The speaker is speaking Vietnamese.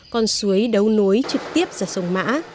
còn suối đấu nối trực tiếp ra sông mã